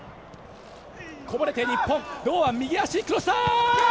こぼれて日本は堂安、右足、クロスだ！